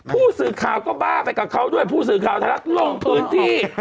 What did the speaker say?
ผู้สื่อข่าวก็บ้าไปกับเขาด้วยผู้สื่อข่าวไทยรัฐลงพื้นที่